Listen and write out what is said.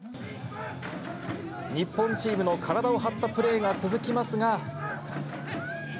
日本チームの体を張ったプレーが続きますが。